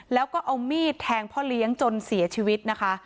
แล้วก็เอามีดแทงพ่อเลี้ยงจนเสียชีวิตนะคะ